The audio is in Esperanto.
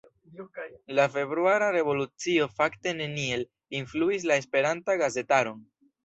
La februara revolucio fakte neniel influis la Esperantan gazetaron.